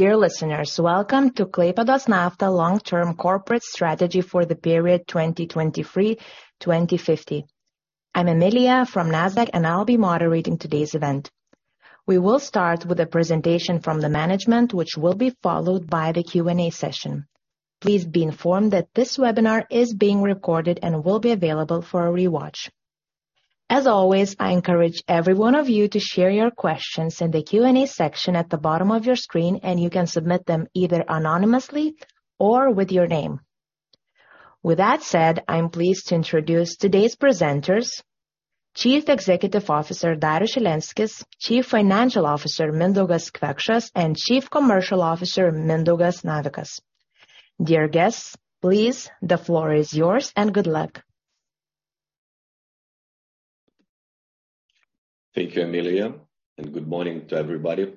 Dear listeners, welcome to Klaipėdos Nafta long-term corporate strategy for the period 2023, 2050. I'm Emilia from Nasdaq, and I'll be moderating today's event. We will start with a presentation from the management, which will be followed by the Q&A session. Please be informed that this webinar is being recorded and will be available for a rewatch. As always, I encourage every one of you to share your questions in the Q&A section at the bottom of your screen, and you can submit them either anonymously or with your name. With that said, I'm pleased to introduce today's presenters: Chief Executive Officer, Darius Šilenskis, Chief Financial Officer, Mindaugas Kvekšas, and Chief Commercial Officer, Mindaugas Navikas. Dear guests, please, the floor is yours, and good luck. Thank you, Emilia. Good morning to everybody.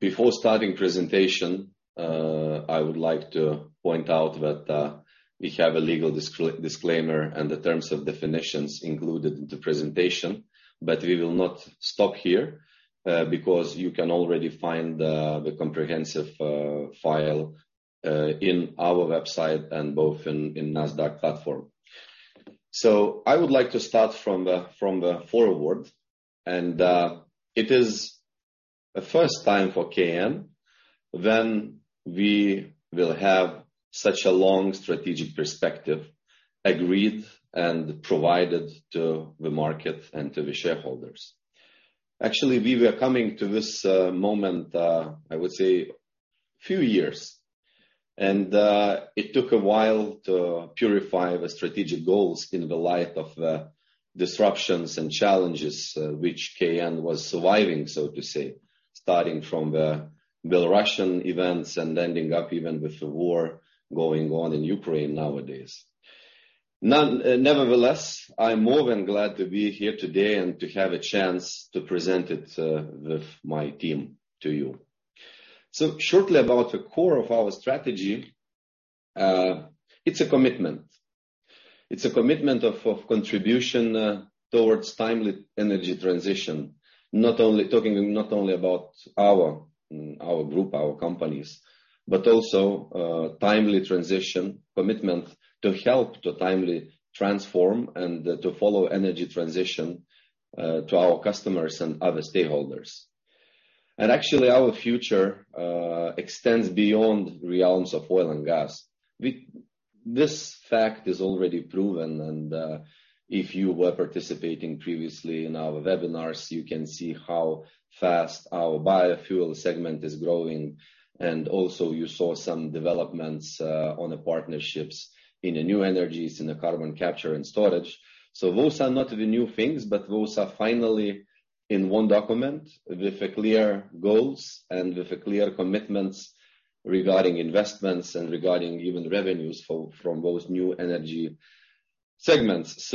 Before starting presentation, I would like to point out that we have a legal disclaimer and the terms of definitions included in the presentation, but we will not stop here, because you can already find the comprehensive file in our website and both in Nasdaq platform. I would like to start from the foreword. It is a first time for, when we will have such a long strategic perspective, agreed and provided to the market and to the shareholders. Actually, we were coming to this moment, I would say few years. It took a while to purify the strategic goals in the light of the disruptions and challenges, which KN was surviving, so to say, starting from the Belarusian events and ending up even with the war going on in Ukraine nowadays. Nevertheless, I'm more than glad to be here today and to have a chance to present it with my team to you. Shortly about the core of our strategy, it's a commitment. It's a commitment of contribution towards timely energy transition. Talking not only about our group, our companies, but also timely transition, commitment to help to timely transform and to follow energy transition to our customers and other stakeholders. Actually, our future extends beyond realms of oil and gas. This fact is already proven, and if you were participating previously in our webinars, you can see how fast our biofuel segment is growing. Also, you saw some developments on the partnerships in the new energies, in the carbon capture and storage. Those are not the new things, but those are finally in one document with a clear goals and with a clear commitments regarding investments and regarding even revenues from those new energy segments.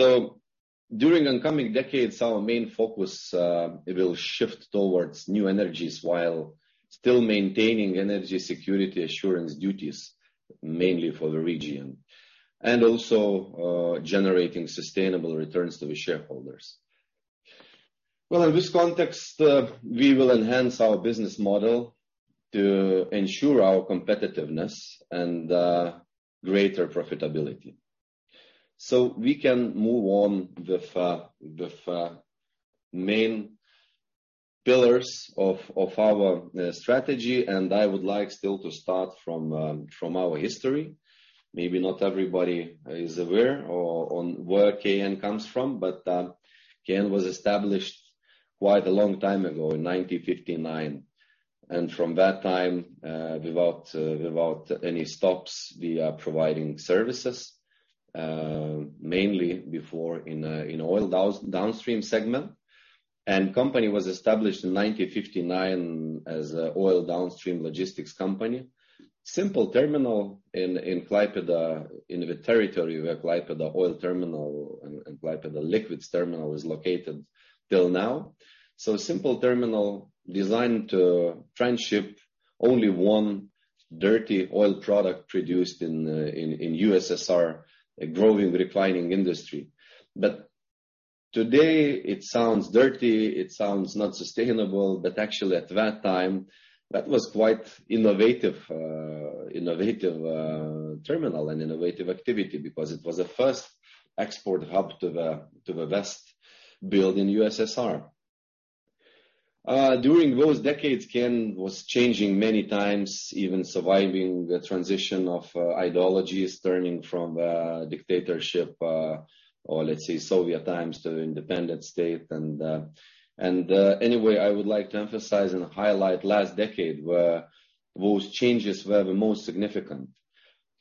During the coming decades, our main focus, it will shift towards new energies while still maintaining energy security assurance duties, mainly for the region, and also generating sustainable returns to the shareholders. In this context, we will enhance our business model to ensure our competitiveness and greater profitability. We can move on with main pillars of our strategy, and I would like still to start from our history. Maybe not everybody is aware or on where KN comes from, but KN was established quite a long time ago, in 1959. From that time, without any stops, we are providing services mainly before in oil downstream segment. Company was established in 1959 as a oil downstream logistics company. Simple terminal in Klaipėda, in the territory where Klaipėda Liquid Energy Products Terminal and Klaipėda liquids terminal is located till now. Simple terminal designed to transship only 1 dirty oil product produced in USSR, a growing refining industry. Today it sounds dirty, it sounds not sustainable, but actually at that time, that was quite innovative terminal and innovative activity because it was the first export hub to the West, built in USSR. During those decades, KN was changing many times, even surviving the transition of ideologies, turning from dictatorship, or let's say, Soviet times to independent state. Anyway, I would like to emphasize and highlight last decade, where those changes were the most significant.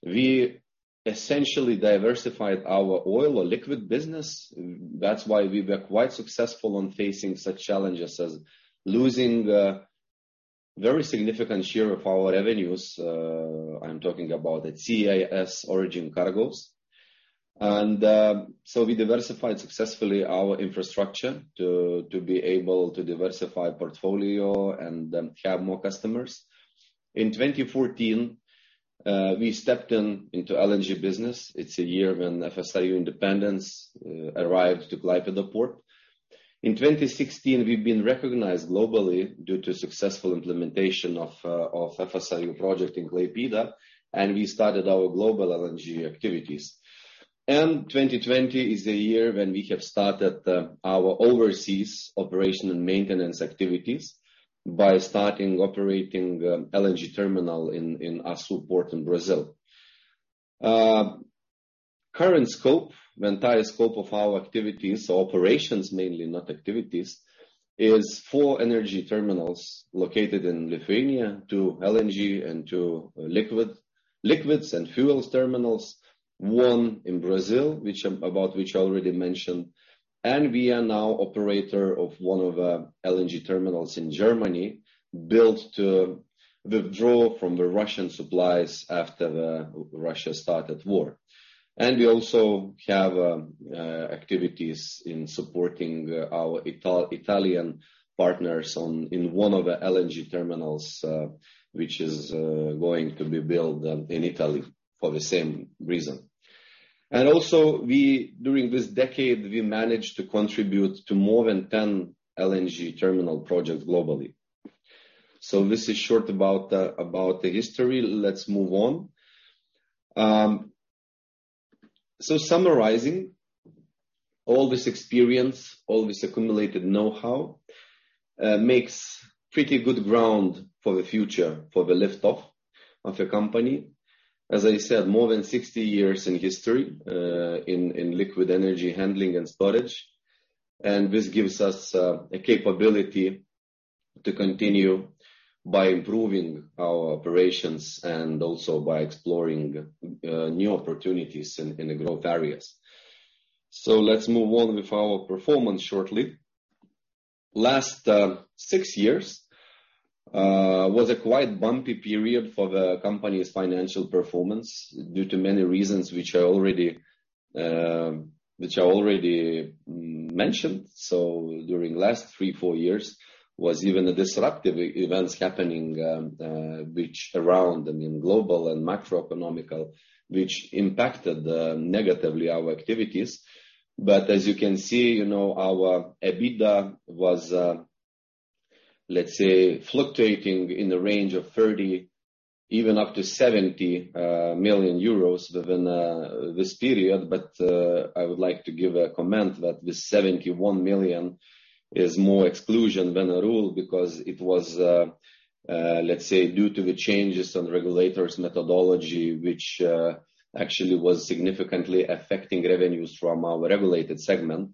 We essentially diversified our oil or liquid business. That's why we were quite successful on facing such challenges as losing a very significant share of our revenues. I'm talking about the CIS origin cargos. We diversified successfully our infrastructure to be able to diversify portfolio and then have more customers. In 2014, we stepped in into LNG business. It's a year when FSRU Independence arrived to Klaipėda port. In 2016, we've been recognized globally due to successful implementation of FSRU project in Klaipėda, we started our global LNG activities. 2020 is a year when we have started our overseas operation and maintenance activities by starting operating LNG terminal in Açu port in Brazil. Current scope, the entire scope of our activities, operations, mainly not activities, is 4 energy terminals located in Lithuania, 2 LNG and 2 liquid, liquids and fuels terminals, 1 in Brazil, about which I already mentioned. We are now operator of 1 of the LNG terminals in Germany, built to withdraw from the Russian supplies after the Russia started war. We also have activities in supporting our Italian partners on, in one of the LNG terminals, which is going to be built in Italy for the same reason. Also, we during this decade, we managed to contribute to more than 10 LNG terminal projects globally. This is short about the history. Let's move on. Summarizing, all this experience, all this accumulated know-how makes pretty good ground for the future, for the lift-off of the company. As I said, more than 60 years in history, in liquid energy handling and storage. This gives us a capability to continue by improving our operations and also by exploring new opportunities in the growth areas. Let's move on with our performance shortly. Last six years was a quite bumpy period for the company's financial performance due to many reasons which I already mentioned. During last three, four years was even a disruptive events happening, which around and in global and macroeconomic, which impacted negatively our activities. As you can see, you know, our EBITDA was, let's say, fluctuating in the range of 30, even up to 70 million euros within this period. I would like to give a comment that this 71 million EUR is more exclusion than a rule, because it was, let's say, due to the changes on the regulators methodology, which actually was significantly affecting revenues from our regulated segment.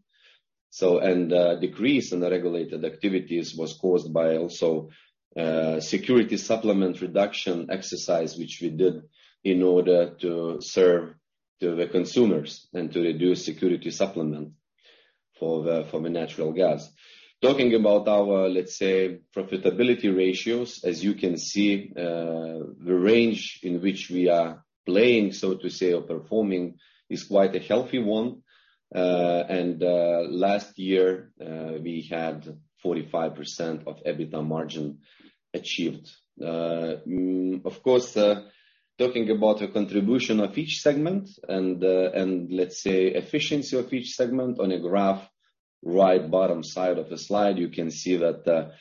And, decrease in the regulated activities was caused by also security supplement reduction exercise, which we did in order to serve the consumers and to reduce security supplement for the natural gas. Talking about our, let's say, profitability ratios, as you can see, the range in which we are playing, so to say, or performing, is quite a healthy one. And, last year, we had 45% of EBITDA margin achieved. Of course, talking about the contribution of each segment and let's say efficiency of each segment on a graph, right bottom side of the slide, you can see that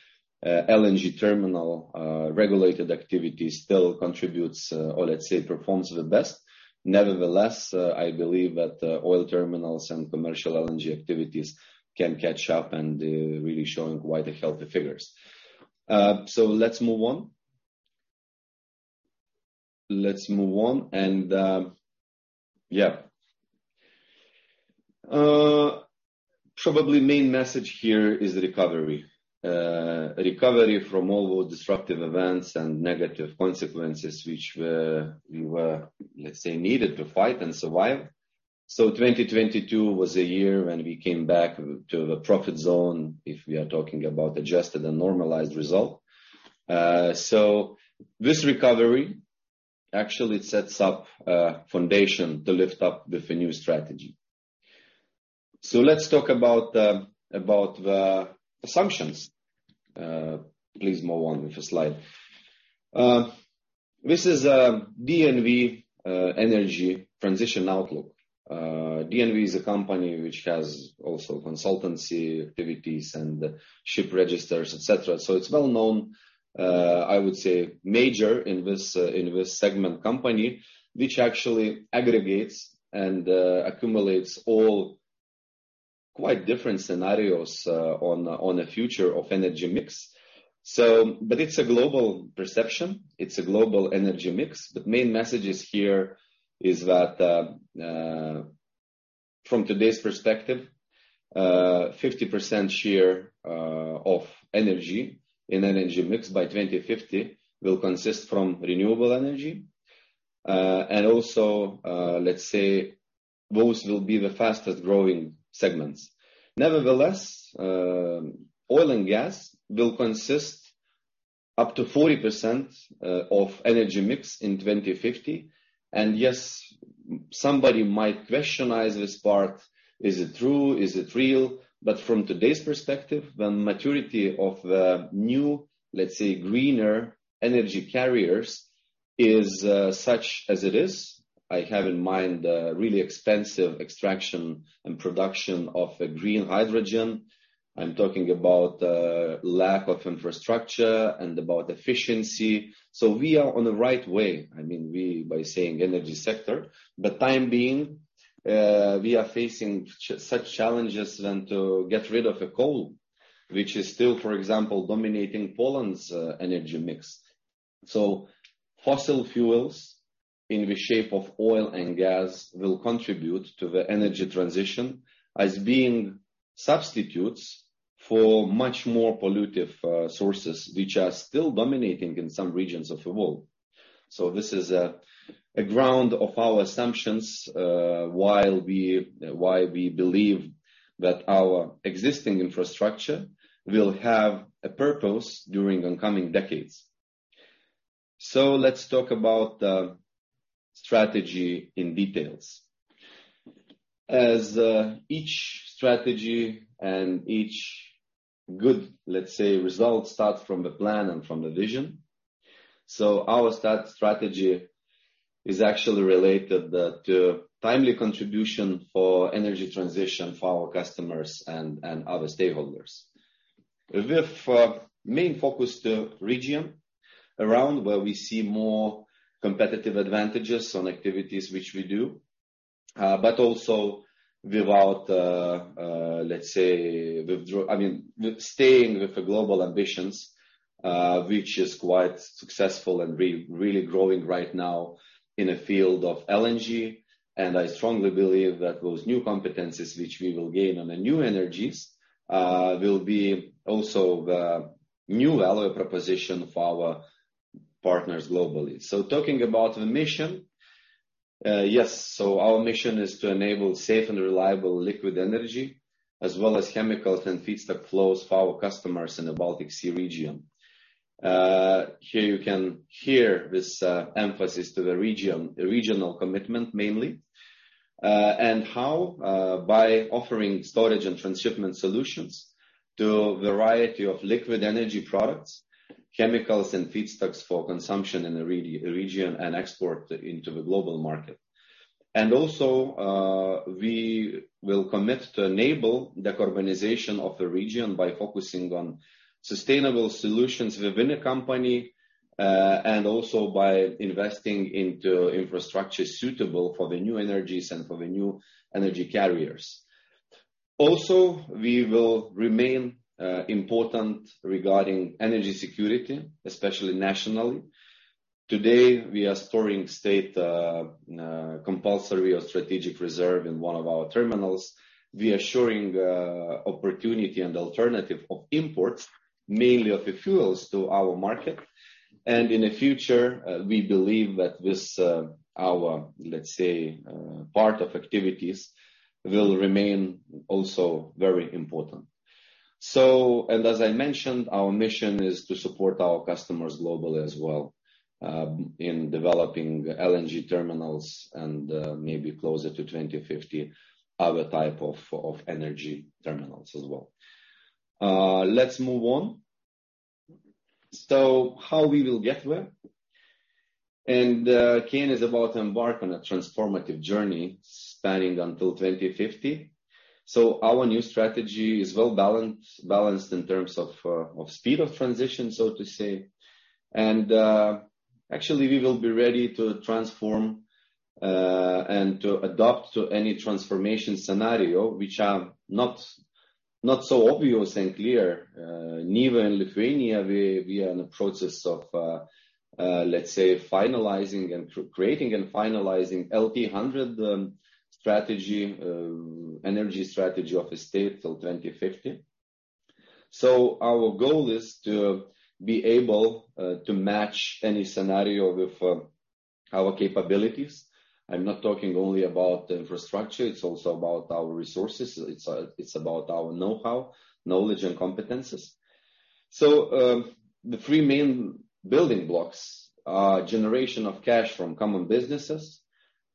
LNG terminal regulated activity still contributes or let's say, performs the best. Nevertheless, I believe that oil terminals and commercial LNG activities can catch up and really showing quite a healthy figures. Let's move on. Let's move on, and yeah. Probably main message here is recovery. Recovery from all those disruptive events and negative consequences which we were, let's say, needed to fight and survive. 2022 was a year when we came back to the profit zone, if we are talking about adjusted and normalized result. This recovery actually sets up a foundation to lift up with a new strategy. Let's talk about about the assumptions. Please move on with the slide. This is DNV Energy Transition Outlook. DNV is a company which has also consultancy activities and ship registers, et cetera. It's well known, I would say, major in this segment company, which actually aggregates and accumulates all quite different scenarios on the future of energy mix. It's a global perception, it's a global energy mix. The main message is here is that, from today's perspective, 50% share of energy in energy mix by 2050, will consist from renewable energy. Also, let's say, those will be the fastest growing segments. Nevertheless, oil and gas will consist up to 40% of energy mix in 2050. Somebody might questionize this part. Is it true? Is it real? From today's perspective, the maturity of the new, let's say, greener energy carriers is such as it is. I have in mind really expensive extraction and production of a green hydrogen. I'm talking about lack of infrastructure and about efficiency. We are on the right way. I mean, we, by saying energy sector, but time being, we are facing such challenges than to get rid of the coal, which is still, for example, dominating Poland's energy mix. Fossil fuels, in the shape of oil and gas, will contribute to the energy transition as being substitutes for much more pollutive sources, which are still dominating in some regions of the world. This is, a ground of our assumptions, why we believe that our existing infrastructure will have a purpose during the coming decades. Let's talk about the strategy in details. As each strategy and each good, let's say, result, starts from the plan and from the vision. Our start strategy is actually related that timely contribution for energy transition for our customers and other stakeholders. With main focus to region around where we see more competitive advantages on activities which we do, but also without, let's say, I mean, with staying with the global ambitions, which is quite successful and really growing right now in the field of LNG. I strongly believe that those new competencies which we will gain on the new energies, will be also the new value proposition for our partners globally. Talking about the mission, our mission is to enable safe and reliable liquid energy, as well as chemicals and feedstock flows for our customers in the Baltic Sea region. Here you can hear this emphasis to the region, the regional commitment, mainly. How? By offering storage and transshipment solutions to a variety of liquid energy products, chemicals, and feedstocks for consumption in the region, and export into the global market. We will commit to enable decarbonization of the region by focusing on sustainable solutions within a company, and also by investing into infrastructure suitable for the new energies and for the new energy carriers. Also, we will remain important regarding energy security, especially nationally. Today, we are storing state compulsory or strategic reserve in one of our terminals. We are ensuring opportunity and alternative of imports, mainly of the fuels to our market. In the future, we believe that this, our, let's say, part of activities, will remain also very important. As I mentioned, our mission is to support our customers globally as well, in developing LNG terminals and maybe closer to 2050, other type of energy terminals as well. Let's move on. How we will get there? KN is about to embark on a transformative journey spanning until 2050. Our new strategy is well-balanced, balanced in terms of speed of transition, so to say. Actually, we will be ready to transform and to adopt to any transformation scenario, which are not so obvious and clear. Even in Lithuania, we are in the process of, let's say, finalizing and creating and finalizing LP100 strategy, energy strategy of the state till 2050. Our goal is to be able to match any scenario with our capabilities. I'm not talking only about the infrastructure, it's also about our resources. It's about our know-how, knowledge, and competences. The three main building blocks are generation of cash from common businesses,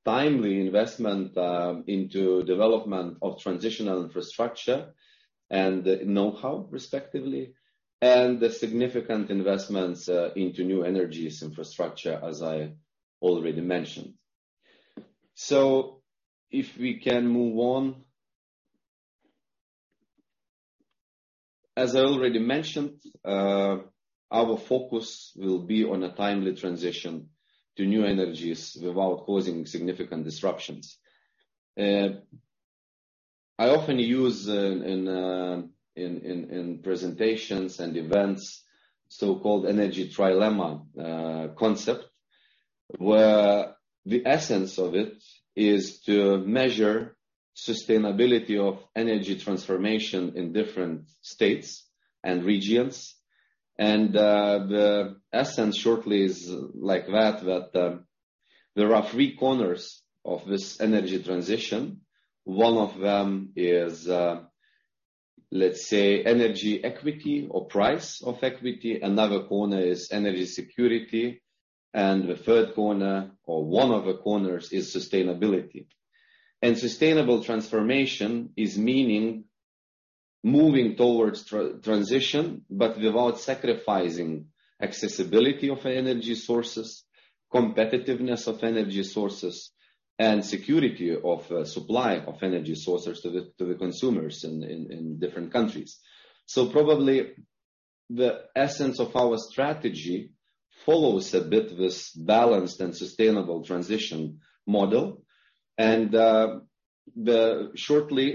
timely investment into development of transitional infrastructure and know-how, respectively, and the significant investments into new energies infrastructure, as I already mentioned. If we can move on. As I already mentioned, our focus will be on a timely transition to new energies without causing significant disruptions. I often use in presentations and events, so-called energy trilemma concept, where the essence of it is to measure sustainability of energy transformation in different states and regions. The essence shortly is like that there are three corners of this energy transition. One of them is Let's say energy equity or price of equity, another corner is energy security, and the third corner or one of the corners is sustainability. Sustainable transformation is meaning moving towards transition, but without sacrificing accessibility of energy sources, competitiveness of energy sources, and security of supply of energy sources to the consumers in different countries. Probably the essence of our strategy follows a bit this balanced and sustainable transition model. Shortly,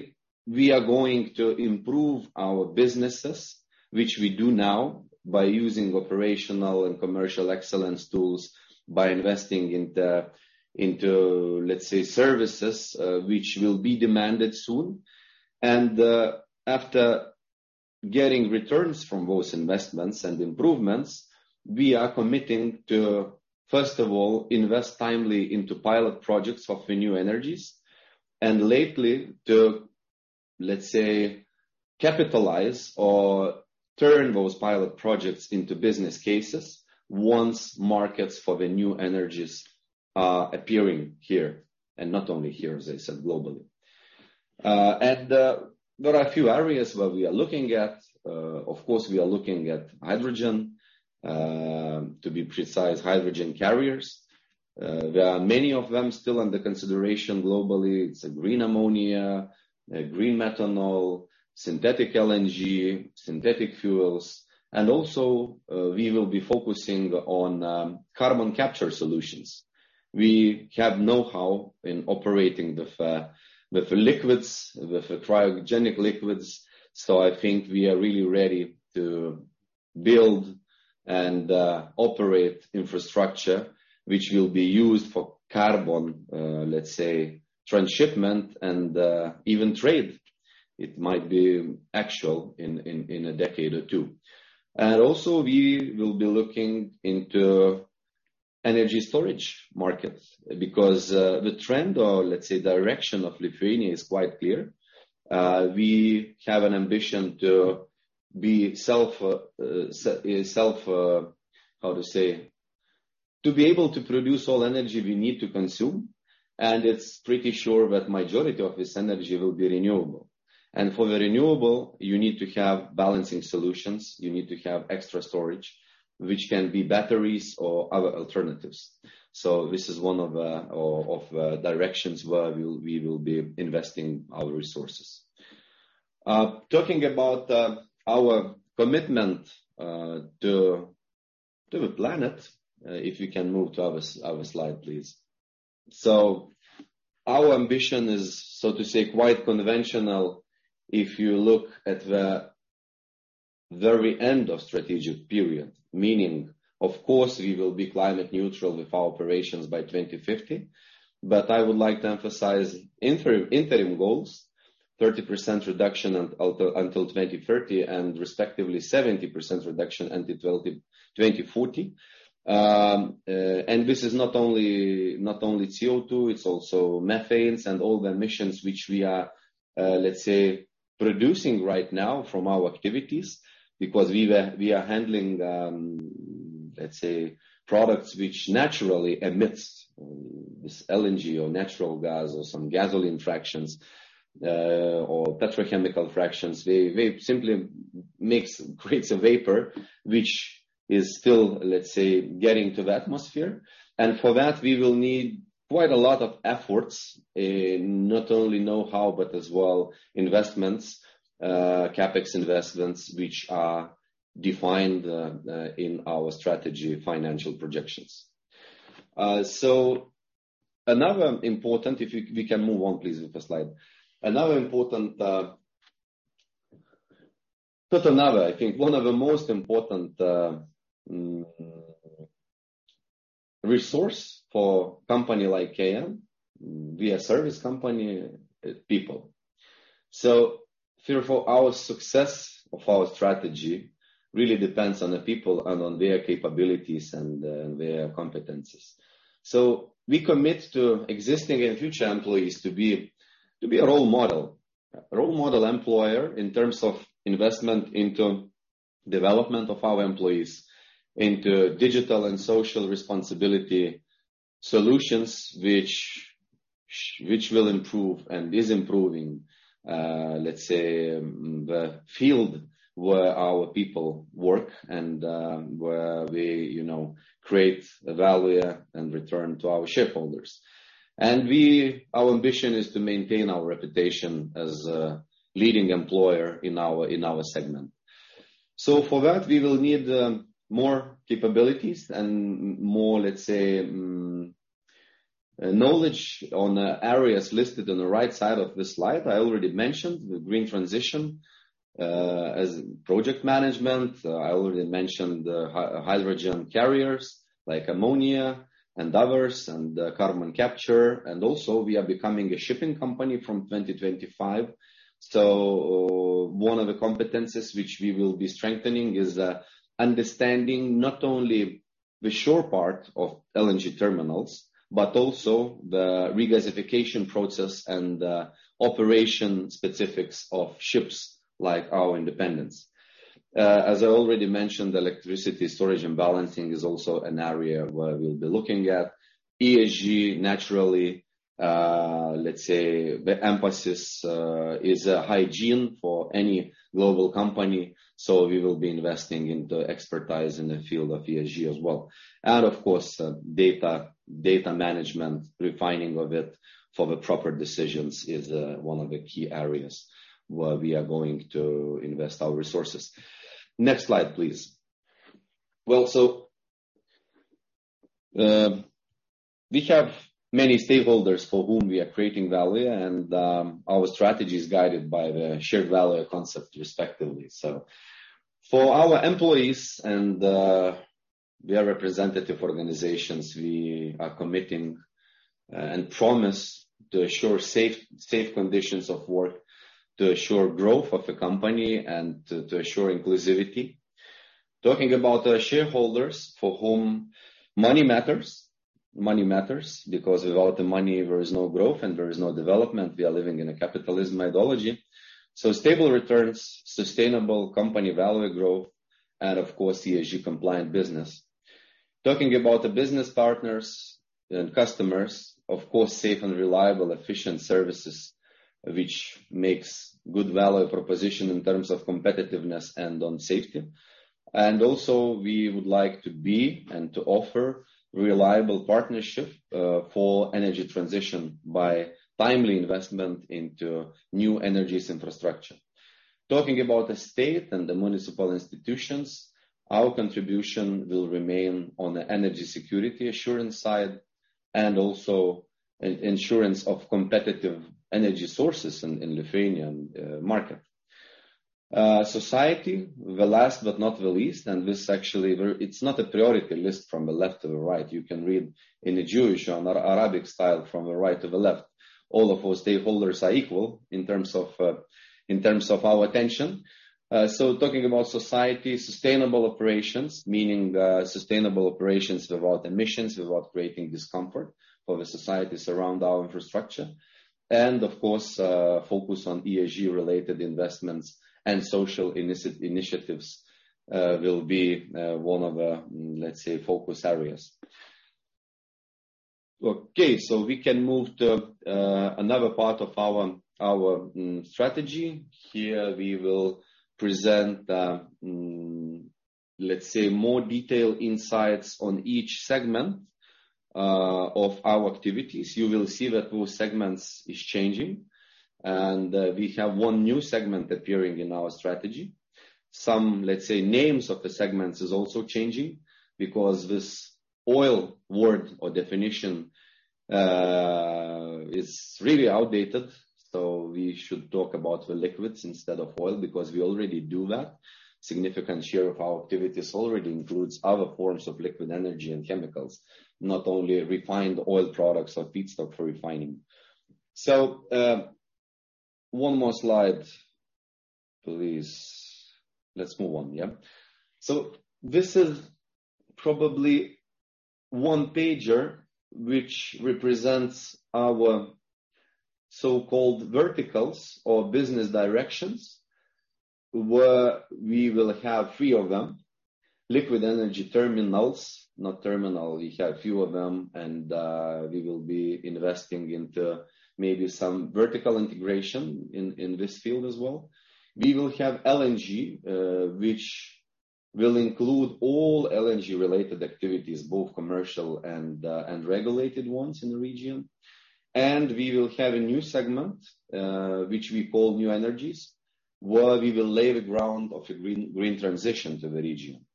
we are going to improve our businesses, which we do now by using operational and commercial excellence tools, by investing into, let's say, services, which will be demanded soon. After getting returns from those investments and improvements, we are committing to, first of all, invest timely into pilot projects of the new energies. Lately, to, let's say, capitalize or turn those pilot projects into business cases once markets for the new energies are appearing here, and not only here, as I said, globally. There are a few areas where we are looking at. Of course, we are looking at hydrogen, to be precise, hydrogen carriers. There are many of them still under consideration globally. It's a green ammonia, a green methanol, synthetic LNG, synthetic fuels. Also, we will be focusing on carbon capture solutions. We have know-how in operating the with the liquids, with the cryogenic liquids, so I think we are really ready to build and operate infrastructure which will be used for carbon, let's say, transshipment and even trade. It might be actual in a decade or two. Also, we will be looking into energy storage markets, because the trend, or let's say, direction of Lithuania, is quite clear. We have an ambition to be self. To be able to produce all energy we need to consume, and it's pretty sure that majority of this energy will be renewable. For the renewable, you need to have balancing solutions, you need to have extra storage, which can be batteries or other alternatives. This is one of directions where we will be investing our resources. Talking about our commitment to the planet. If you can move to other slide, please. Our ambition is, so to say, quite conventional. If you look at the very end of strategic period, meaning, of course, we will be climate neutral with our operations by 2050. I would like to emphasize interim goals, 30% reduction until 2030 and respectively 70% reduction until 2040. This is not only CO2, it's also methanes and all the emissions which we are, let's say, producing right now from our activities. Because we are handling, let's say, products which naturally emits, this LNG or natural gas or some gasoline fractions, or petrochemical fractions. They simply makes, creates a vapor, which is still, let's say, getting to the atmosphere. For that, we will need quite a lot of efforts in not only know-how, but as well, investments, CapEx investments, which are defined, in our strategy financial projections. If we can move on, please, with the slide. Another important, not another, I think one of the most important resource for company like KN, we are a service company, people. Therefore, our success of our strategy really depends on the people and on their capabilities and their competences. We commit to existing and future employees to be a role model. A role model employer in terms of investment into development of our employees, into digital and social responsibility solutions, which will improve and is improving, let's say, the field where our people work and where we, you know, create the value and return to our shareholders. Our ambition is to maintain our reputation as a leading employer in our segment. For that, we will need more capabilities and more, let's say, knowledge on areas listed on the right side of this slide. I already mentioned the green transition as project management. I already mentioned the hydrogen carriers, like ammonia and others, and the carbon capture. Also, we are becoming a shipping company from 2025. One of the competences which we will be strengthening is understanding not only. the shore part of LNG terminals, but also the regasification process and operation specifics of ships like our Independence. As I already mentioned, electricity storage and balancing is also an area where we'll be looking at. ESG, naturally, let's say, the emphasis, is a hygiene for any global company, so we will be investing in the expertise in the field of ESG as well. Of course, data management, refining of it for the proper decisions is one of the key areas where we are going to invest our resources. Next slide, please. We have many stakeholders for whom we are creating value, and our strategy is guided by the shared value concept respectively. For our employees and we are representative organizations, we are committing and promise to assure safe conditions of work, to assure growth of the company, and to assure inclusivity. Talking about our shareholders, for whom money matters. Money matters because without the money, there is no growth and there is no development. We are living in a capitalism ideology. Stable returns, sustainable company value growth, and of course, ESG compliant business. Talking about the business partners and customers, of course, safe and reliable, efficient services, which makes good value proposition in terms of competitiveness and on safety. Also, we would like to be and to offer reliable partnership for energy transition by timely investment into new energies infrastructure. Talking about the state and the municipal institutions, our contribution will remain on the energy security assurance side, and also assurance of competitive energy sources in Lithuanian market. Society, the last but not the least, and this actually. It's not a priority list from the left to the right. You can read in a Jewish or an Arabic style from the right to the left. All of our stakeholders are equal in terms of, in terms of our attention. Talking about society, sustainable operations, meaning sustainable operations without emissions, without creating discomfort for the societies around our infrastructure. Of course, focus on ESG-related investments and social initiatives will be one of the, let's say, focus areas. We can move to another part of our strategy. Here, we will present, let's say, more detailed insights on each segment of our activities. You will see that those segments is changing. We have one new segment appearing in our strategy. Some, let's say, names of the segments is also changing because this oil word or definition is really outdated. We should talk about the liquids instead of oil, because we already do that. Significant share of our activities already includes other forms of liquid energy and chemicals, not only refined oil products or feedstock for refining. One more slide, please. Let's move on, yeah. This is probably 1-pager, which represents our so-called verticals or business directions, where we will have 3 of them: liquid energy terminals, not terminal, we have a few of them, and we will be investing into maybe some vertical integration in this field as well. We will have LNG, which will include all LNG-related activities, both commercial and regulated ones in the region. We will have a new segment, which we call New Energies, where we will lay the ground of a green transition to the region.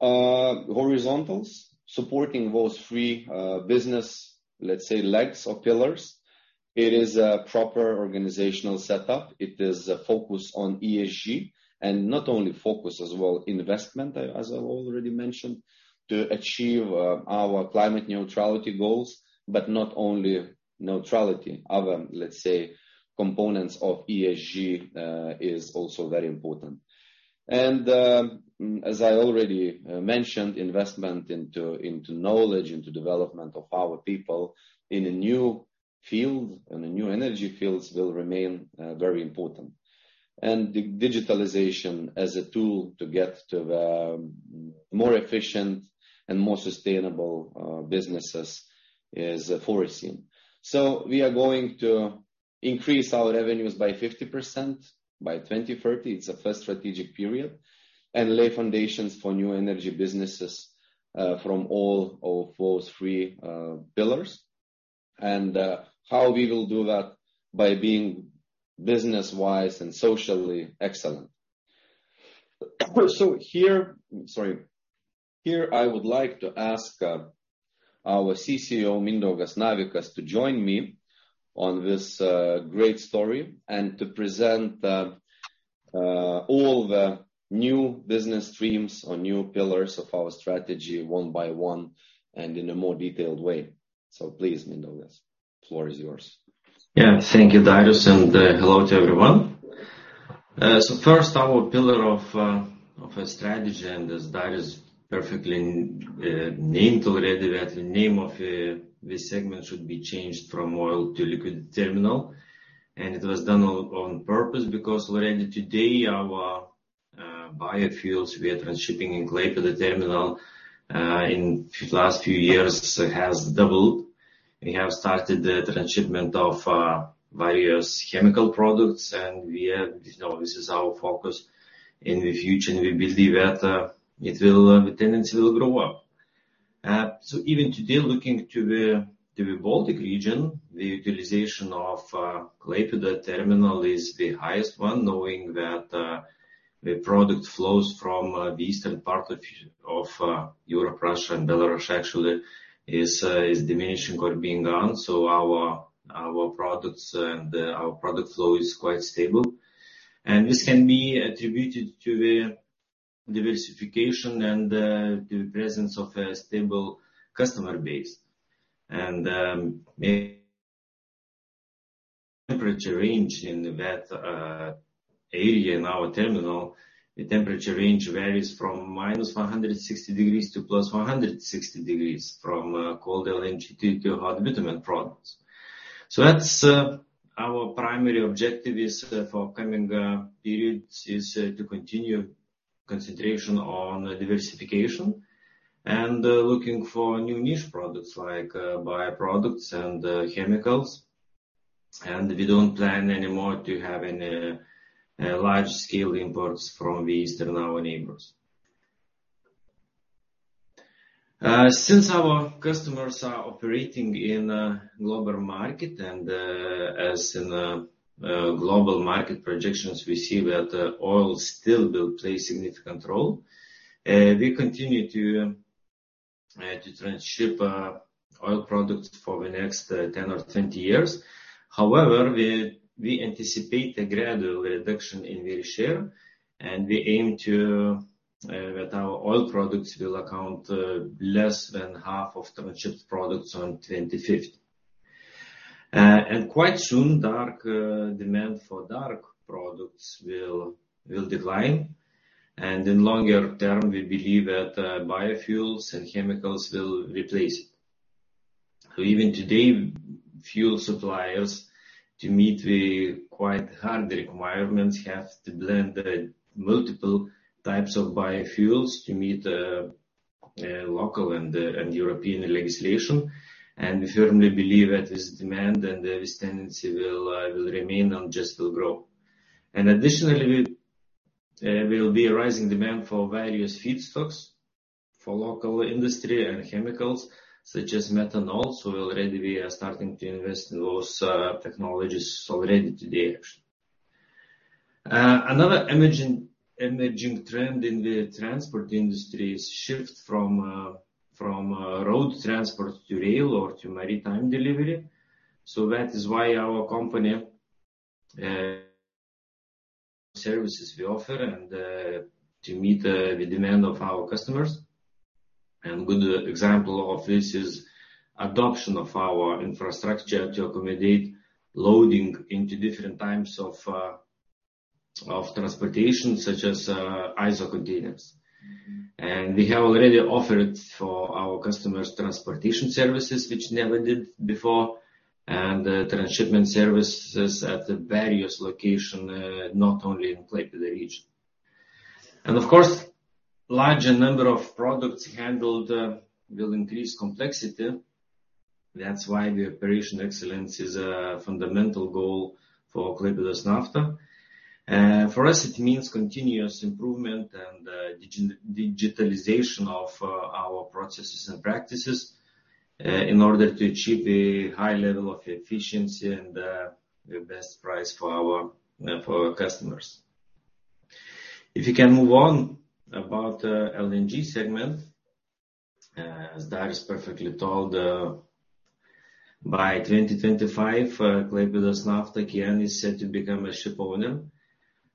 Horizontals, supporting those 3 business, let's say, legs or pillars. It is a proper organizational setup. It is a focus on ESG, and not only focus as well, investment, as I already mentioned, to achieve our climate neutrality goals, but not only neutrality. Other, let's say, components of ESG is also very important. As I already mentioned, investment into knowledge, into development of our people in a new field, and the new energy fields will remain very important. Digitalization as a tool to get to the more efficient and more sustainable businesses is foreseen. We are going to increase our revenues by 50% by 2030. It's a first strategic period. Lay foundations for new energy businesses from all of those three pillars. How we will do that? By being business-wise and socially excellent. Sorry. Here, I would like to ask, our CCO, Mindaugas Navikas, to join me on this, great story and to present, all the new business streams or new pillars of our strategy one by one and in a more detailed way. Please, Mindaugas, the floor is yours. Yeah. Thank you, Darius, and, hello to everyone. First our pillar of a strategy, and as that is perfectly named already, that the name of this segment should be changed from oil to liquid terminal. It was done on purpose, because already today, our biofuels, we are transshipping in Klaipėda terminal, in last few years has doubled. We have started the transshipment of various chemical products, and this is our focus in the future, and we believe that it will the tendency will grow up. Even today, looking to the Baltic region, the utilization of Klaipėda terminal is the highest one, knowing that the product flows from the eastern part of Europe, Russia, and Belarus, actually, is diminishing or being gone. Our products and our product flow is quite stable. This can be attributed to the diversification and the presence of a stable customer base. Temperature range in that area in our terminal, the temperature range varies from minus 160 degrees to plus 160 degrees, from cold LNG to hot bitumen products. That's our primary objective is for coming periods, is to continue concentration on diversification and looking for new niche products like bioproducts and chemicals. We don't plan anymore to have any large-scale imports from the eastern our neighbors. Since our customers are operating in a global market, as in global market projections, we see that oil still will play significant role. We continue to transship oil products for the next 10 or 20 years. However, we anticipate a gradual reduction in their share, and we aim that our oil products will account less than half of transshipped products on 2050. Quite soon, demand for dark products will decline. In longer term, we believe that biofuels and chemicals will replace it. Even today, fuel suppliers, to meet the quite hard requirements, have to blend the multiple types of biofuels to meet the local and European legislation. We firmly believe that this demand and this tendency will remain and just will grow. Additionally, will be a rising demand for various feedstocks, for local industry and chemicals, such as methanol. Already we are starting to invest in those technologies already today, actually. Another emerging trend in the transport industry is shift from road transport to rail or to maritime delivery. That is why our company services we offer and to meet the demand of our customers. Good example of this is adoption of our infrastructure to accommodate loading into different types of transportation, such as ISO containers. We have already offered for our customers transportation services, which never did before, and transshipment services at the various location not only in Klaipėda region. Of course, larger number of products handled will increase complexity. That's why the operation excellence is a fundamental goal for Klaipėdos Nafta. For us, it means continuous improvement and digitalization of our processes and practices in order to achieve a high level of efficiency and the best price for our for our customers. If you can move on about LNG segment. As Darius perfectly told, by 2025, Klaipėdos Nafta again, is set to become a shipowner,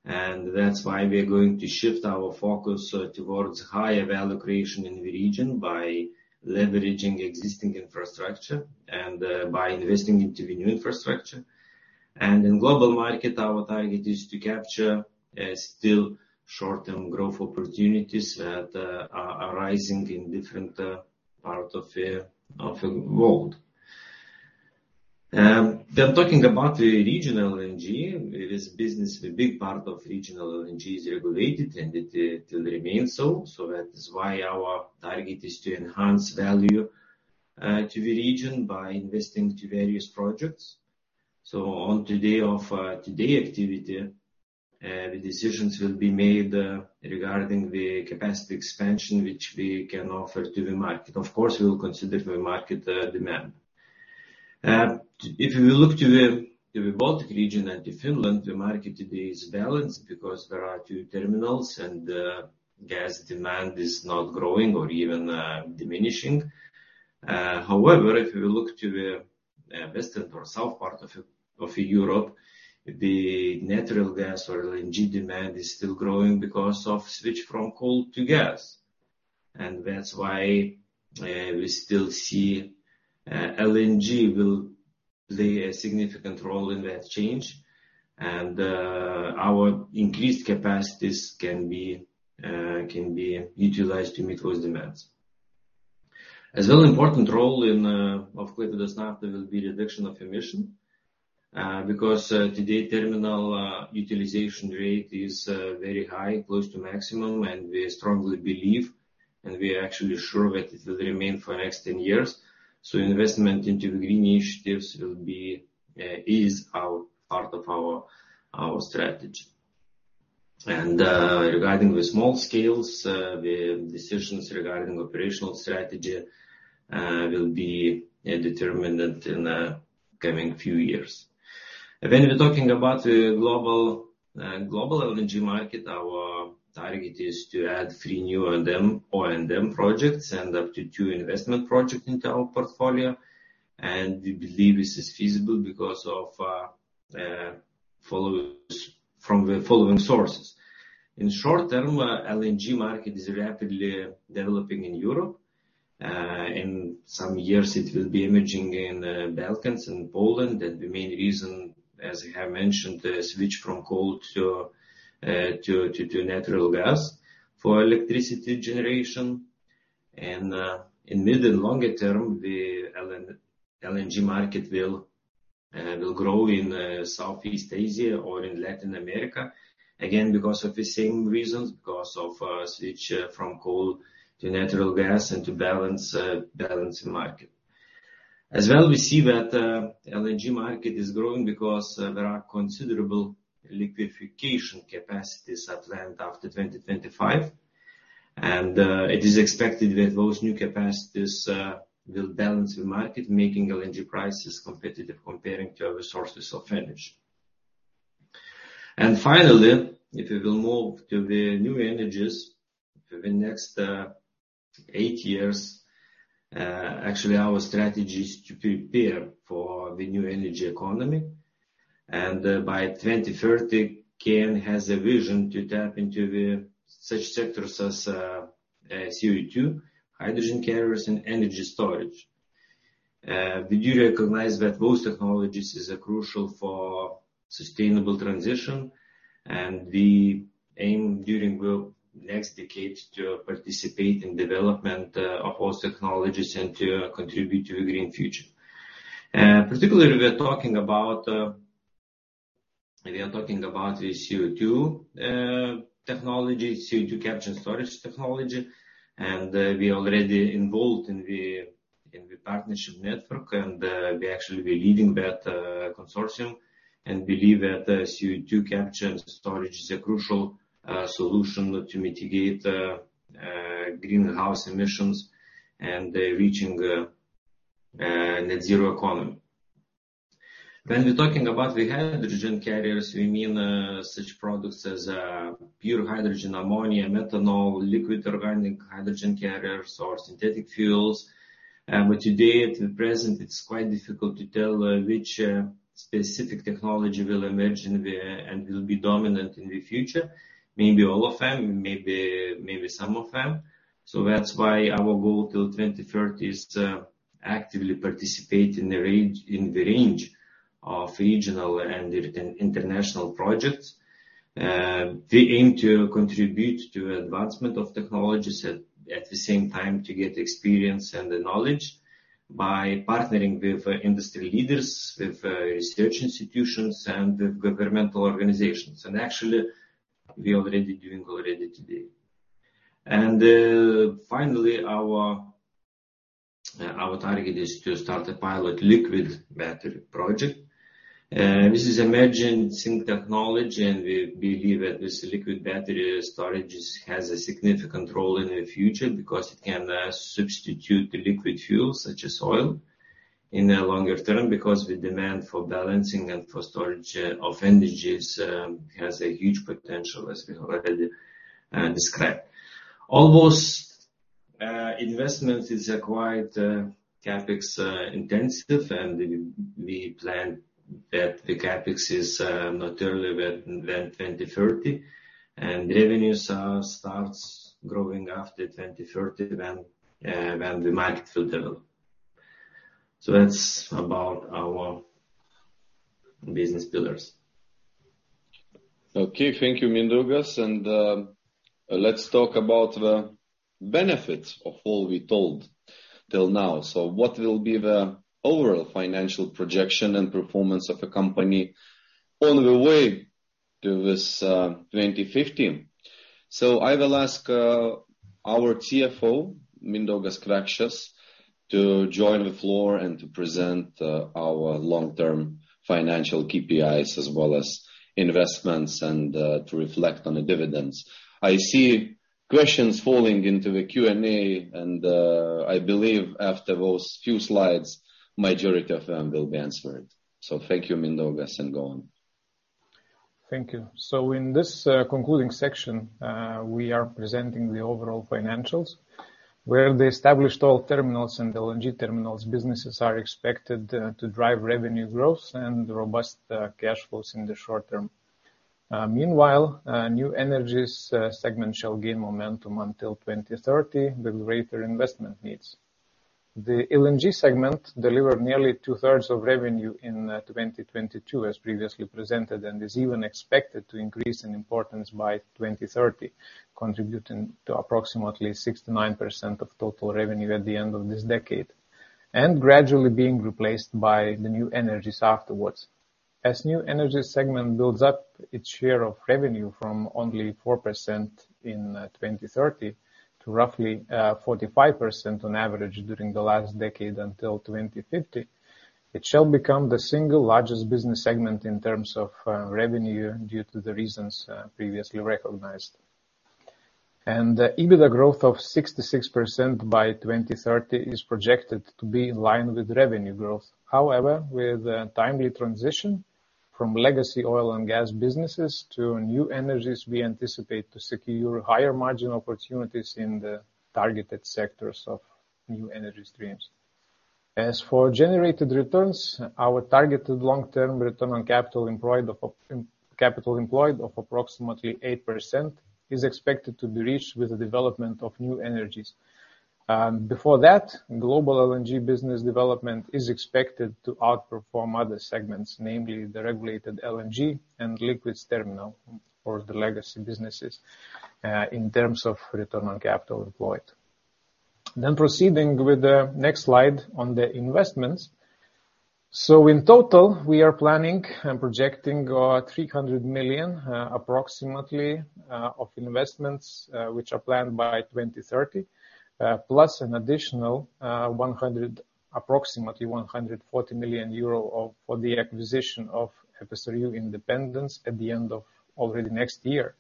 and that's why we are going to shift our focus towards higher value creation in the region by leveraging existing infrastructure and by investing into the new infrastructure. In global market, our target is to capture still short-term growth opportunities that are arising in different part of the world. Talking about the regional LNG, this business, the big part of regional LNG is regulated, and it will remain so. That is why our target is to enhance value to the region by investing to various projects. On today of today activity, the decisions will be made regarding the capacity expansion, which we can offer to the market. Of course, we'll consider the market demand. If you look to the Baltic region and to Finland, the market today is balanced because there are two terminals, and the gas demand is not growing or even diminishing. However, if you look to the western or south part of Europe, the natural gas or LNG demand is still growing because of switch from coal to gas. That's why we still see LNG will play a significant role in that change, and our increased capacities can be utilized to meet those demands. As well, important role in, of course, it does not, there will be reduction of emission, because today terminal utilization rate is very high, close to maximum. We strongly believe, and we are actually sure that it will remain for the next 10 years. Investment into green initiatives will be, is our, part of our strategy. Regarding the small scales, the decisions regarding operational strategy, will be determined in coming few years. We're talking about the global LNG market. Our target is to add 3 new O&M projects and up to 2 investment project into our portfolio. We believe this is feasible because of, follows from the following sources. In short term, LNG market is rapidly developing in Europe. In some years it will be emerging in Balkans and Poland. The main reason, as you have mentioned, the switch from coal to natural gas for electricity generation. In mid and longer term, the LNG market will grow in Southeast Asia or in Latin America. Again, because of the same reasons, because of switch from coal to natural gas and to balance balancing market. As well, we see that LNG market is growing because there are considerable liquefication capacities planned after 2025. It is expected that those new capacities will balance the market, making LNG prices competitive comparing to other sources of energy. Finally, if you will move to the new energies for the next 8 years, actually our strategy is to prepare for the new energy economy. By 2030, KN has a vision to tap into the such sectors as CO2, hydrogen carriers, and energy storage. We do recognize that those technologies is a crucial for sustainable transition, and we aim during the next decade to participate in development of those technologies and to contribute to a green future. Particularly, we are talking about the CO2 technology, CO2 capture and storage technology. We already involved in the partnership network, and we actually, we're leading that consortium and believe that CO2 capture and storage is a crucial solution to mitigate greenhouse emissions and reaching net zero economy. When we're talking about the hydrogen carriers, we mean such products as pure hydrogen, ammonia, methanol, liquid organic hydrogen carriers or synthetic fuels. Today, at the present, it's quite difficult to tell which specific technology will emerge and will be dominant in the future. Maybe all of them, maybe some of them. That's why our goal till 2030 is to actively participate in the range of regional and international projects. We aim to contribute to advancement of technologies, at the same time to get experience and the knowledge by partnering with industry leaders, with research institutions and with governmental organizations. Actually, we are already doing today. Finally, our target is to start a pilot liquid battery project. This is emerging technology, and we believe that this liquid battery storages has a significant role in the future because it can substitute the liquid fuels, such as oil, in the longer term, because the demand for balancing and for storage of energies has a huge potential, as we already described. All those investments is quite CapEx intensive, and we plan that the CapEx is not earlier than 2030. Revenues, starts growing after 2030, when the market will develop. That's about our business pillars. Okay. Thank you, Mindaugas. Let's talk about the benefits of all we told till now. What will be the overall financial projection and performance of the company on the way to this 2050? I will ask our CFO, Mindaugas Kvekšas, to join the floor and to present our long-term financial KPIs, as well as investments and to reflect on the dividends. I see questions falling into the Q&A, I believe after those few slides, majority of them will be answered. Thank you, Mindaugas, and go on. In this concluding section, we are presenting the overall financials, where the established oil terminals and LNG terminals businesses are expected to drive revenue growth and robust cash flows in the short term. Meanwhile, new energies segment shall gain momentum until 2030, with greater investment needs. The LNG segment delivered nearly two-thirds of revenue in 2022, as previously presented, and is even expected to increase in importance by 2030, contributing to approximately 69% of total revenue at the end of this decade, and gradually being replaced by the new energies afterwards. As new energy segment builds up its share of revenue from only 4% in 2030 to roughly 45% on average during the last decade until 2050, it shall become the single largest business segment in terms of revenue due to the reasons previously recognized. The EBITDA growth of 66% by 2030 is projected to be in line with revenue growth. However, with a timely transition from legacy oil and gas businesses to new energies, we anticipate to secure higher margin opportunities in the targeted sectors of new energy streams. As for generated returns, our targeted long-term return on capital employed of approximately 8% is expected to be reached with the development of new energies. Before that, global LNG business development is expected to outperform other segments, namely the regulated LNG and liquids terminal for the legacy businesses, in terms of return on capital employed. Proceeding with the next slide on the investments. In total, we are planning and projecting approximately 300 million of investments, which are planned by 2030, plus an additional approximately 140 million euro for the acquisition of FSRU Independence at the end of already next year.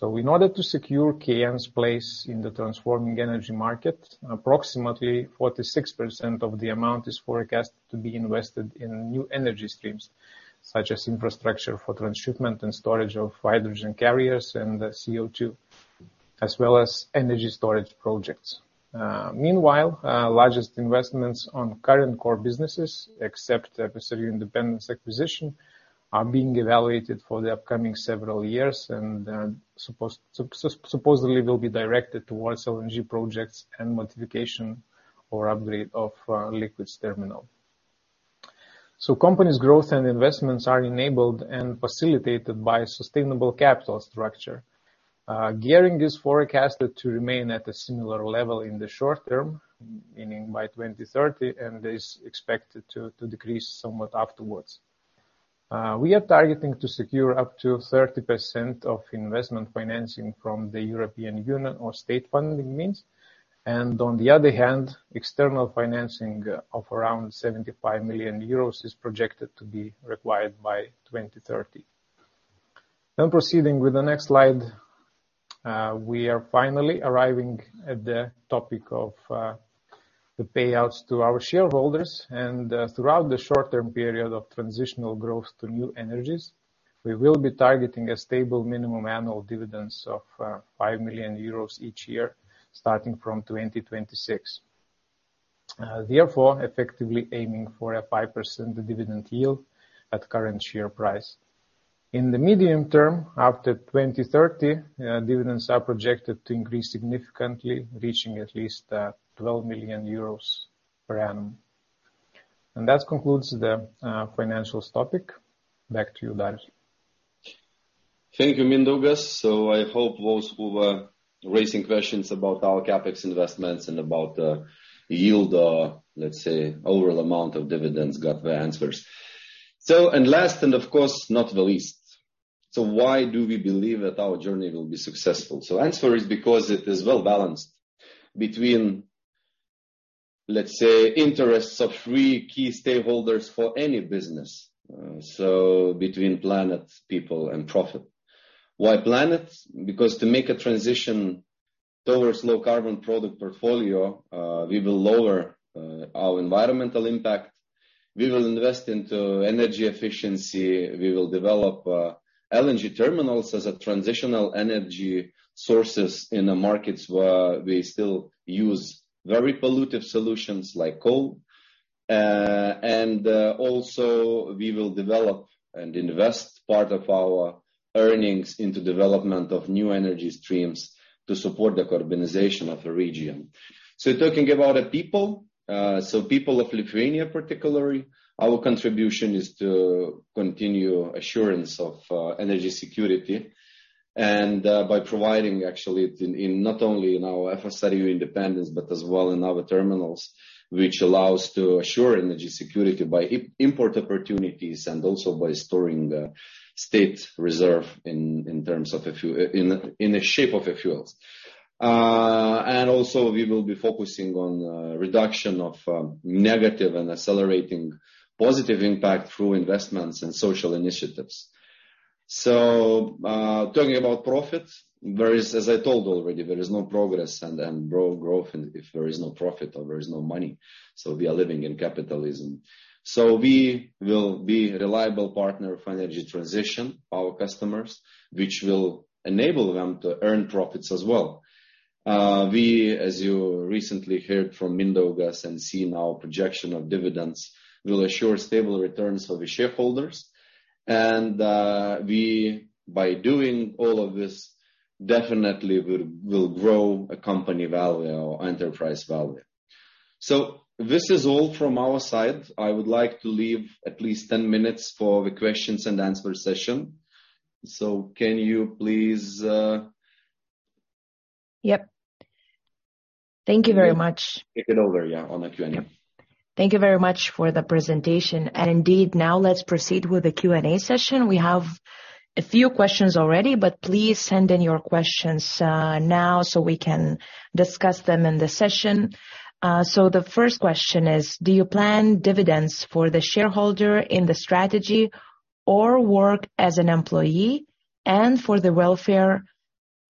In order to secure KN's place in the transforming energy market, approximately 46% of the amount is forecast to be invested in new energy streams, such as infrastructure for transshipment and storage of hydrogen carriers and CO2, as well as energy storage projects. Meanwhile, largest investments on current core businesses, except FSRU Independence acquisition, are being evaluated for the upcoming several years, supposedly will be directed towards LNG projects and modification or upgrade of liquids terminal. Company's growth and investments are enabled and facilitated by sustainable capital structure. Gearing is forecasted to remain at a similar level in the short term, meaning by 2030, and is expected to decrease somewhat afterwards. We are targeting to secure up to 30% of investment financing from the European Union or state funding means, and on the other hand, external financing of around 75 million euros is projected to be required by 2030. Proceeding with the next slide, we are finally arriving at the topic of the payouts to our shareholders. Throughout the short-term period of transitional growth to new energies, we will be targeting a stable minimum annual dividends of 5 million euros each year, starting from 2026. Therefore, effectively aiming for a 5% dividend yield at current share price. In the medium term, after 2030, dividends are projected to increase significantly, reaching at least 12 million euros per annum. That concludes the financials topic. Back to you, Darius. Thank you, Mindaugas. I hope those who were raising questions about our CapEx investments and about the yield, let's say, overall amount of dividends, got the answers. Last, and of course, not the least: Why do we believe that our journey will be successful? Answer is because it is well-balanced between, let's say, interests of three key stakeholders for any business. Between planet, people, and profit. Why planet? Because to make a transition towards low carbon product portfolio, we will lower our environmental impact, we will invest into energy efficiency, we will develop LNG terminals as a transitional energy sources in the markets where we still use very pollutive solutions like coal. Also, we will develop and invest part of our earnings into development of new energy streams to support the carbonization of the region. Talking about the people of Lithuania, particularly, our contribution is to continue assurance of energy security, by providing actually in not only in our FSRU Independence, but as well in other terminals, which allows to assure energy security by import opportunities and also by storing the state reserve in the shape of fuels. Also, we will be focusing on reduction of negative and accelerating positive impact through investments and social initiatives. Talking about profit, there is, as I told already, there is no progress and growth if there is no profit or there is no money, we are living in capitalism. We will be a reliable partner for energy transition, our customers, which will enable them to earn profits as well. We, as you recently heard from Mindaugas, and see now projection of dividends, will assure stable returns for the shareholders. We, by doing all of this, definitely will grow a company value or enterprise value. This is all from our side. I would like to leave at least 10 minutes for the questions and answer session. Can you please. Yep. Thank you very much. Take it over, yeah, on the Q&A. Thank you very much for the presentation. Indeed, now let's proceed with the Q&A session. We have a few questions already, please send in your questions now, so we can discuss them in the session. The first question is: Do you plan dividends for the shareholder in the strategy or work as an employee, and for the welfare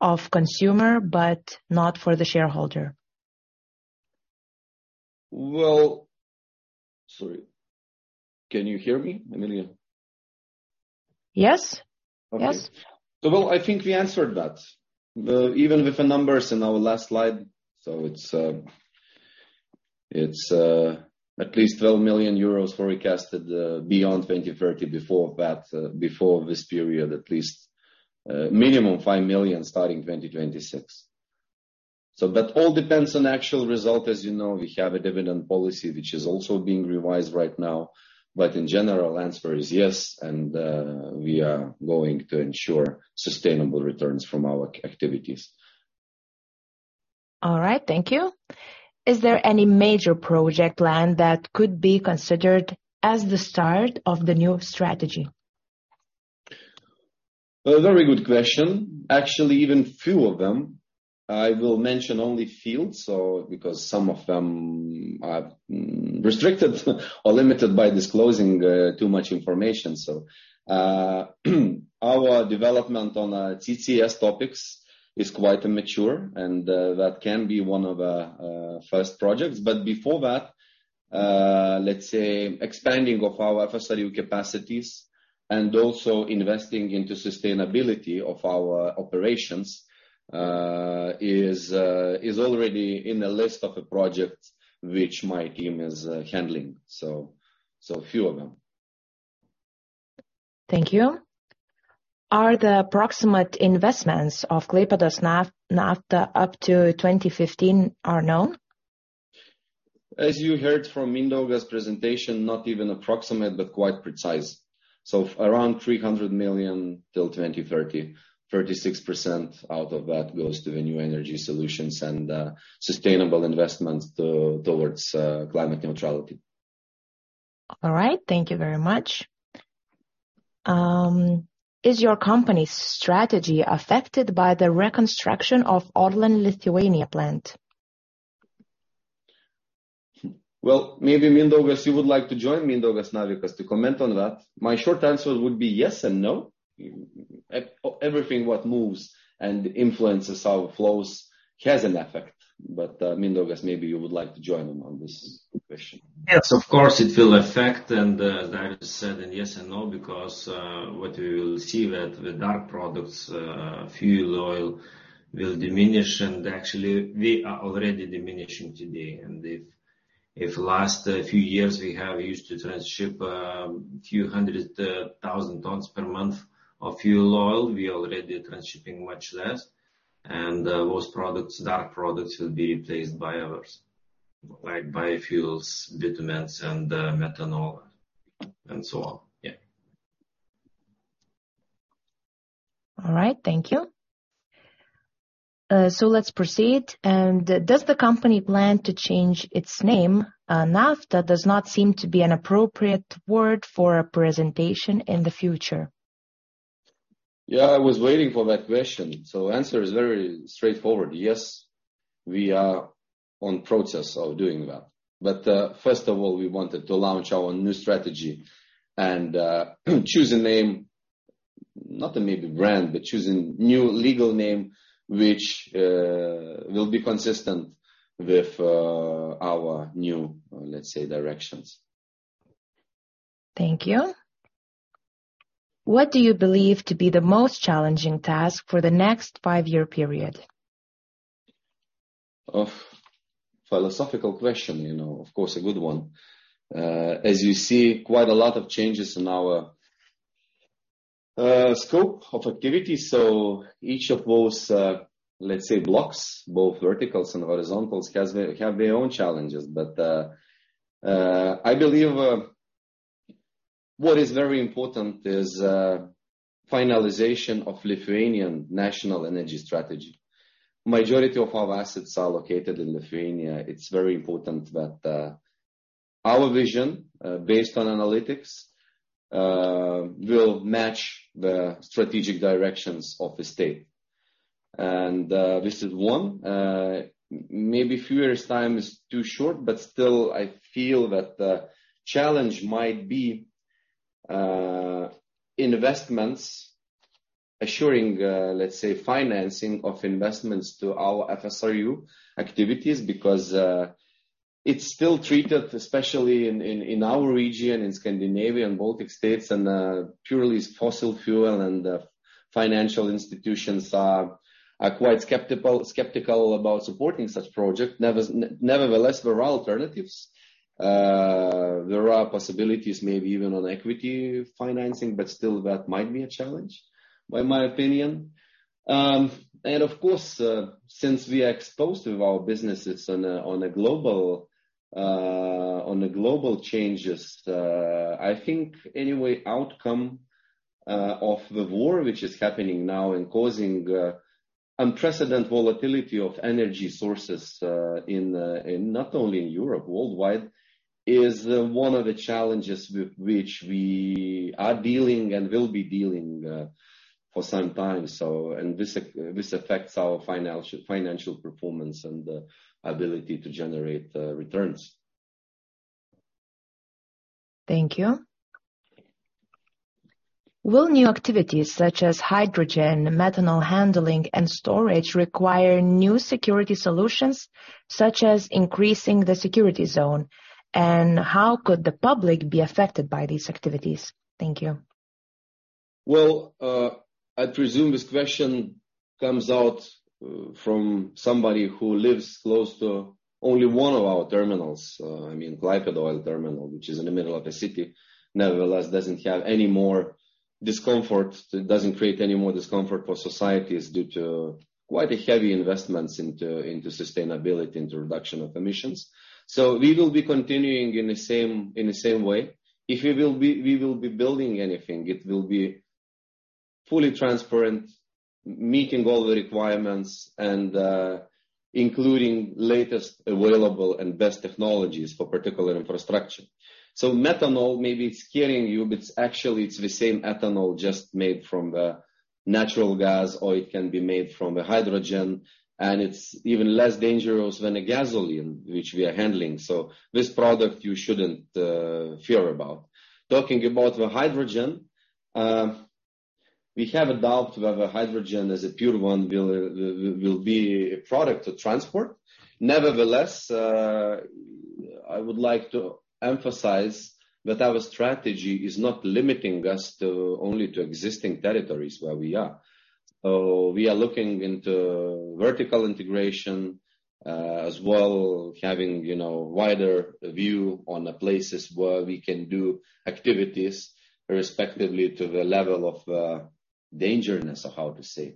of consumer, but not for the shareholder? Well... Sorry. Can you hear me, Emilia? Yes. Okay. Yes. I think we answered that, even with the numbers in our last slide. It's at least 12 million euros forecasted beyond 2030. Before that, before this period, at least minimum 5 million, starting 2026. But all depends on actual result. As you know, we have a dividend policy, which is also being revised right now. In general, answer is yes, and we are going to ensure sustainable returns from our activities. All right, thank you. Is there any major project plan that could be considered as the start of the new strategy? A very good question. Actually, even few of them, I will mention only few because some of them are restricted or limited by disclosing too much information. Our development on CCS topics is quite immature, and that can be one of our first projects. Before that, let's say, expanding of our FSRU capacities and also investing into sustainability of our operations is already in a list of the projects which my team is handling. Few of them. Thank you. Are the approximate investments of Klaipėdos Nafta up to 2015 are known? As you heard from Mindaugas' presentation, not even approximate, but quite precise. Around 300 million till 2030, 36% out of that goes to the new energy solutions and sustainable investments towards climate neutrality. All right. Thank you very much. Is your company's strategy affected by the reconstruction of ORLEN Lietuva plant? Well, maybe, Mindaugas, you would like to join me, Mindaugas Navikas, to comment on that. My short answer would be yes and no. Everything what moves and influences our flows has an effect. Mindaugas, maybe you would like to join in on this question. Yes, of course, it will affect, as I said, yes and no, because what we will see that the dark products, fuel oil, will diminish, and actually they are already diminishing today. If last few years we have used to transship few hundred thousand tons per month of fuel oil, we are already transshipping much less. Those products, dark products, will be replaced by others, like biofuels, bitumens, and methanol, and so on. Yeah. All right, thank you. Let's proceed. Does the company plan to change its name? nafta does not seem to be an appropriate word for a presentation in the future. Yeah, I was waiting for that question. Answer is very straightforward. Yes, we are on process of doing that. First of all, we wanted to launch our new strategy and choose a name, not maybe brand, but choosing new legal name, which will be consistent with our new, let's say, directions. Thank you. What do you believe to be the most challenging task for the next five-year period? Oh, philosophical question, you know, of course, a good one. As you see, quite a lot of changes in our scope of activity, so each of those, let's say, blocks, both verticals and horizontals, have their own challenges. I believe what is very important is finalization of Lithuanian national energy strategy. Majority of our assets are located in Lithuania. It's very important that our vision, based on analytics, will match the strategic directions of the state. This is one. Maybe five years' time is too short, but still, I feel that the challenge might be investments, assuring, let's say, financing of investments to our FSRU activities, because. It's still treated, especially in our region, in Scandinavia and Baltic States, purely as fossil fuel and financial institutions are quite skeptical about supporting such project. Nevertheless, there are alternatives. There are possibilities, maybe even on equity financing, but still that might be a challenge, by my opinion. Of course, since we are exposed with our businesses on a global changes, I think anyway outcome of the war, which is happening now and causing unprecedented volatility of energy sources in not only in Europe, worldwide, is one of the challenges with which we are dealing and will be dealing for some time. This affects our financial performance and ability to generate returns. Thank you. Will new activities such as hydrogen, methanol handling, and storage require new security solutions, such as increasing the security zone? How could the public be affected by these activities? Thank you. Well, I presume this question comes out from somebody who lives close to only one of our terminals. I mean, Klaipėda Oil Terminal, which is in the middle of the city, nevertheless, doesn't have any more discomfort, it doesn't create any more discomfort for societies due to quite a heavy investments into sustainability, into reduction of emissions. We will be continuing in the same way. If we will be building anything, it will be fully transparent, meeting all the requirements and, including latest available and best technologies for particular infrastructure. Methanol, maybe it's scaring you, but actually it's the same ethanol just made from natural gas, or it can be made from a hydrogen, and it's even less dangerous than a gasoline, which we are handling. This product you shouldn't fear about. Talking about the hydrogen, we have a doubt whether hydrogen as a pure one will be a product to transport. I would like to emphasize that our strategy is not limiting us to only to existing territories where we are. We are looking into vertical integration as well, having, you know, wider view on the places where we can do activities respectively to the level of dangerousness, or how to say,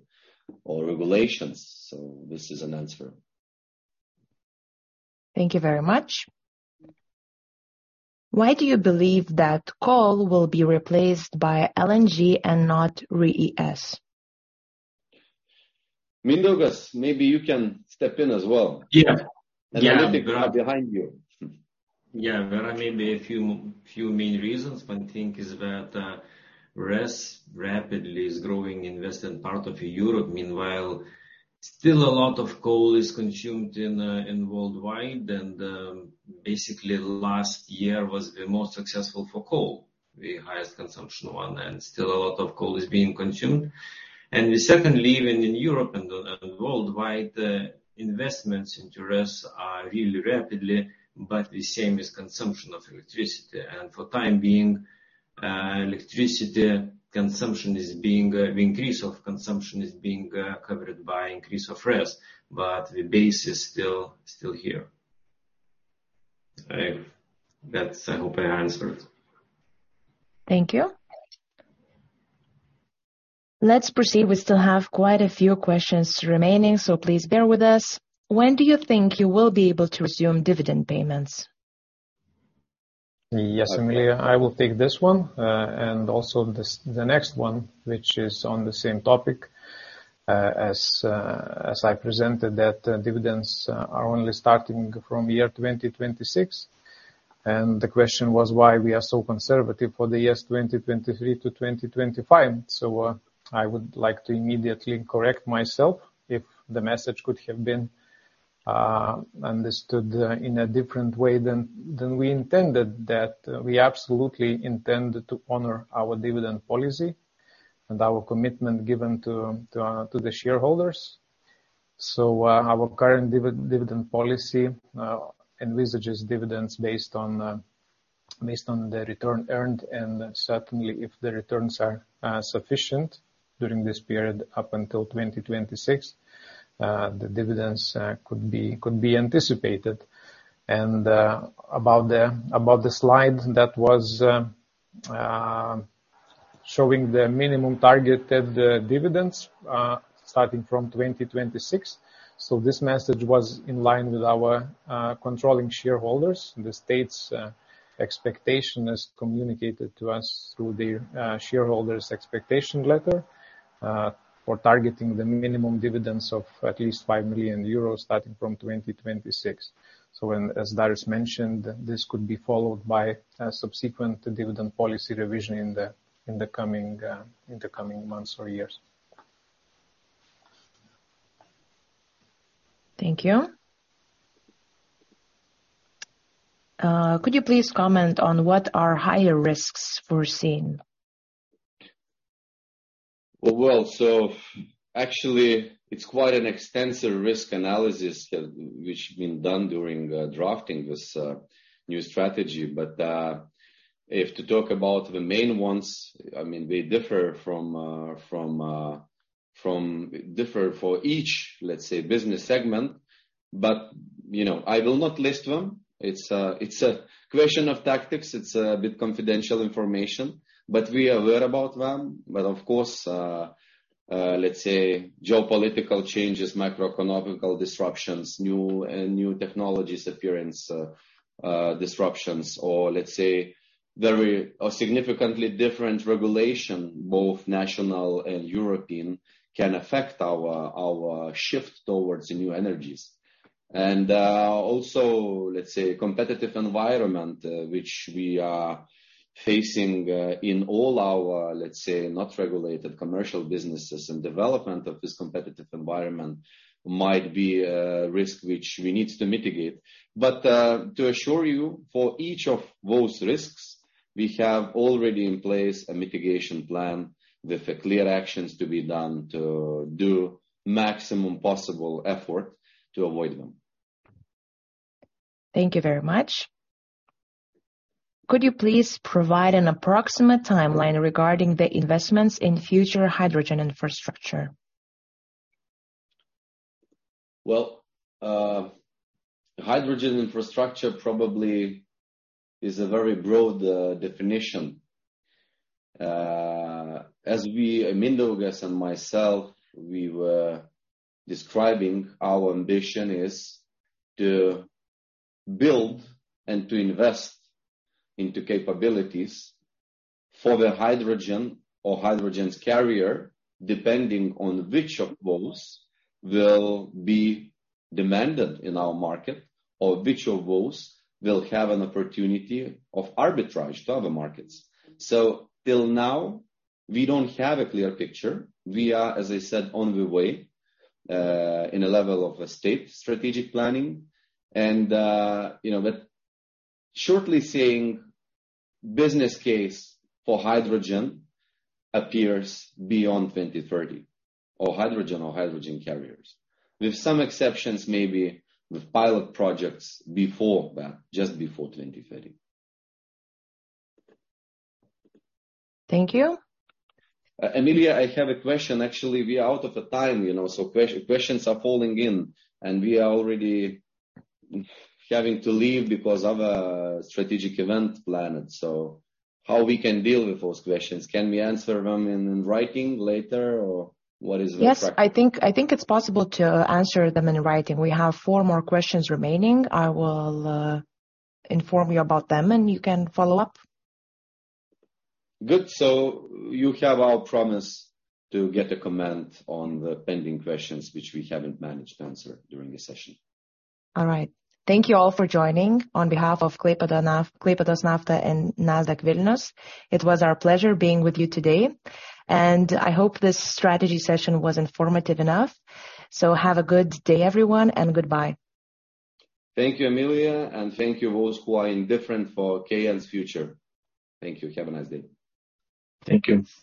or regulations. This is an answer. Thank you very much. Why do you believe that coal will be replaced by LNG and not RES? Mindaugas, maybe you can step in as well. Yeah. Yeah. Analytic behind you. Yeah, there are maybe a few main reasons. One thing is that RES rapidly is growing in Western part of Europe. Meanwhile, still a lot of coal is consumed worldwide, basically, last year was the most successful for coal, the highest consumption one, and still a lot of coal is being consumed. Secondly, even in Europe and worldwide, the investments into RES are really rapidly, but the same as consumption of electricity. For time being, electricity consumption is being the increase of consumption is being covered by increase of RES, but the base is still here. I hope I answered. Thank you. Let's proceed. We still have quite a few questions remaining, please bear with us. When do you think you will be able to resume dividend payments? Yes, Emilia, I will take this one, and also the next one, which is on the same topic. As I presented, that dividends are only starting from year 2026. The question was why we are so conservative for the years 2023-2025. I would like to immediately correct myself, if the message could have been understood in a different way than we intended. That we absolutely intend to honor our dividend policy and our commitment given to the shareholders. Our current dividend policy envisages dividends based on the return earned, and certainly, if the returns are sufficient during this period up until 2026, the dividends could be anticipated. About the slide that was showing the minimum targeted dividends starting from 2026. This message was in line with our controlling shareholders. The state's expectation is communicated to us through the shareholders expectation letter for targeting the minimum dividends of at least 5 million euros starting from 2026. When, as Darius mentioned, this could be followed by a subsequent dividend policy revision in the coming months or years. Thank you. Could you please comment on what are higher risks foreseen? Actually, it's quite an extensive risk analysis that which been done during drafting this new strategy. If to talk about the main ones, I mean, they differ from differ for each, let's say, business segment. You know, I will not list them. It's a question of tactics. It's a bit confidential information, but we are aware about them. Of course, let's say geopolitical changes, macroeconomical disruptions, new technologies appearance, disruptions, or let's say very or significantly different regulation, both national and European, can affect our shift towards the new energies. Also, let's say, competitive environment, which we are facing in all our, let's say, not regulated commercial businesses and development of this competitive environment, might be a risk which we need to mitigate. To assure you, for each of those risks, we have already in place a mitigation plan with clear actions to be done to do maximum possible effort to avoid them. Thank you very much. Could you please provide an approximate timeline regarding the investments in future hydrogen infrastructure? Hydrogen infrastructure probably is a very broad definition. As we, Mindaugas and myself, we were describing our ambition is to build and to invest into capabilities for the hydrogen or hydrogen's carrier, depending on which of those will be demanded in our market, or which of those will have an opportunity of arbitrage to other markets. Till now, we don't have a clear picture. We are, as I said, on the way, in a level of a state, strategic planning. you know, shortly saying, business case for hydrogen appears beyond 2030, or hydrogen or hydrogen carriers, with some exceptions, maybe with pilot projects before that, just before 2030. Thank you. Emilia, I have a question. Actually, we are out of the time, you know, questions are falling in, and we are already having to leave because of a strategic event planned. How we can deal with those questions? Can we answer them in writing later, or what is the-? Yes, I think it's possible to answer them in writing. We have 4 more questions remaining. I will inform you about them, and you can follow up. Good. You have our promise to get a comment on the pending questions, which we haven't managed to answer during this session. All right. Thank you all for joining. On behalf of Klaipėdos Nafta and Nasdaq Vilnius, it was our pleasure being with you today, and I hope this strategy session was informative enough. Have a good day, everyone, and goodbye. Thank you, Emilia, and thank you those who are indifferent for KN's future. Thank you. Have a nice day. Thank you.